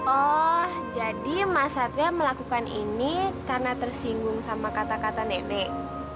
oh jadi mas satria melakukan ini karena tersinggung sama kata kata nenek